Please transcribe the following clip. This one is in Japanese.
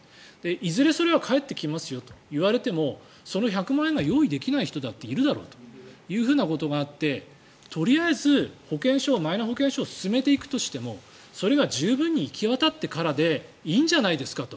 いずれそれは返ってきますよと言われてもその１００万円が用意できない人だっているだろということがあってとりあえずマイナ保険証を進めていくとしてもそれが十分に行き渡ってからでいいんじゃないですかと。